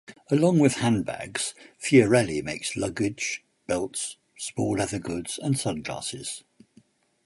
Along with handbags, Fiorelli makes luggage, belts, small leather goods and sunglasses.